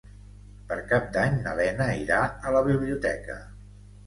Per Cap d'Any na Lena irà a la biblioteca.